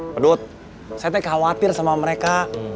padut saya tak khawatir sama mereka